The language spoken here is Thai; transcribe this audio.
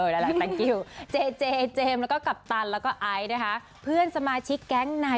เจชเจเจมส์แล้วก็กัปตันแล้วก็ไอพื่นสมาชิกแกงนาย